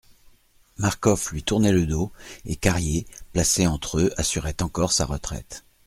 Marcof lui tournait le dos, et Carrier placé entre eux assurait encore sa retraite.